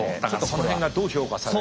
その辺がどう評価されるか。